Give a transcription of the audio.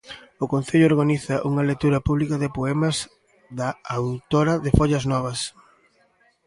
O concello organiza unha lectura pública de poemas da autora de Follas Novas.